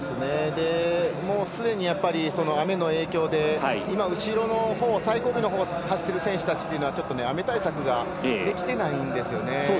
すでに、雨の影響で後ろのほう、最後尾のほうを走っている選手たちというのはちょっと雨対策ができていないんですよね。